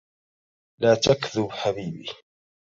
لا تكذب حبيبي